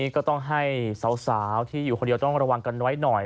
ก็ต้องให้สาวที่อยู่คนเดียวต้องระวังกันไว้หน่อย